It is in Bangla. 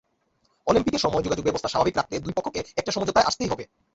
অলিম্পিকের সময় যোগাযোগব্যবস্থা স্বাভাবিক রাখতে দুই পক্ষকে একটা সমঝোতায় আসতেই হবে।